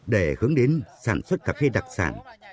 để hướng đến sản xuất cà phê đặc sản